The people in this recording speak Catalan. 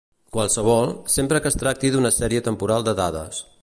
Qualsevol, sempre que es tracti d'una sèrie temporal de dades.